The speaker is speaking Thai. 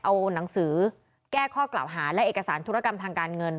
เอาหนังสือแก้ข้อกล่าวหาและเอกสารธุรกรรมทางการเงิน